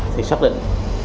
thì xác định